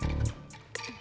ini udah berangkat